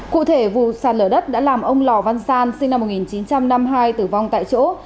cụ thể vụ sàn lở đất đã làm ông lò văn san sinh năm một nghìn chín trăm năm mươi hai tử vong tại chỗ